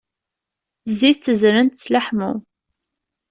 Zzit ttezzrent-t s leḥmu.